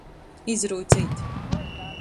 Izrūceit.